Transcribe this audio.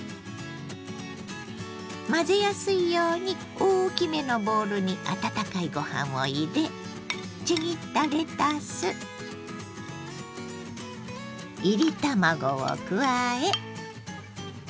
混ぜやすいように大きめのボウルに温かいご飯を入れちぎったレタスいり卵を加え。